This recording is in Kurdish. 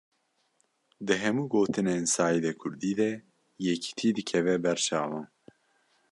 Di hemû gotinên Seîdê Kurdî de, yekitî dikeve ber çavan